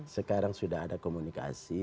sekarang sudah ada komunikasi